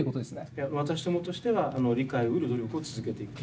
いや私どもとしては理解をうる努力を続けていく。